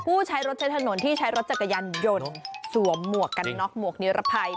ใช้รถใช้ถนนที่ใช้รถจักรยานยนต์สวมหมวกกันน็อกหมวกนิรภัย